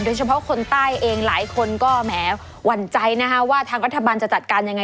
เฉพาะคนใต้เองหลายคนก็แหมหวั่นใจนะคะว่าทางรัฐบาลจะจัดการยังไง